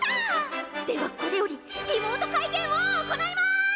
ではこれよりリモート会見を行います！